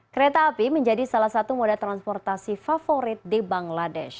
kereta api menjadi salah satu moda transportasi favorit di bangladesh